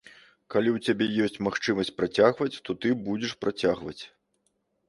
Калі ў цябе ёсць магчымасць працягваць, то ты будзеш працягваць.